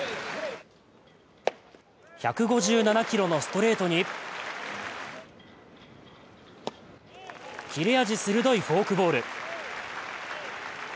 １５７キロのストレートに切れ味鋭いフォークボール。